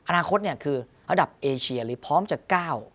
อนาคตเนี่ยคือระดับเอเชียรี่พร้อมจะก้าว